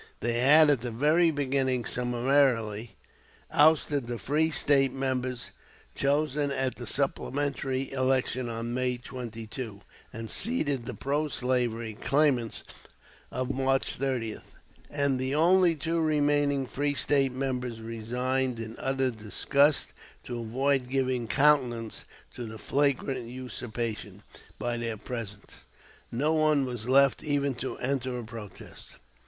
They had at the very beginning summarily ousted the free State members chosen at the supplementary election on May 22, and seated the pro slavery claimants of March 30; and the only two remaining free State members resigned in utter disgust to avoid giving countenance to the flagrant usurpation by their presence. No one was left even to enter a protest.